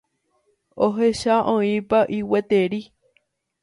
Ehecha oĩpa y gueteri.